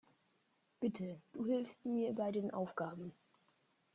Bitte, du hilfst mir bei den Aufgaben.